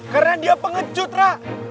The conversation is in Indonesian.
karena dia pengecut ra